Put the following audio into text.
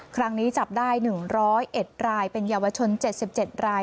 ครั้งนี้จับได้๑๐๑รายเป็นเยาวชน๗๗ราย